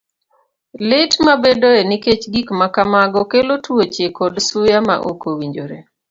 Lit ma bedoe nikech gik ma kamago kelo tuoche kod suya ma ok owinjore.